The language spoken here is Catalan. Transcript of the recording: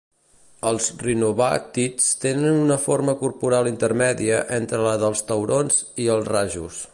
Els rinobàtids tenen una forma corporal intermèdia entre la dels taurons i els rajos.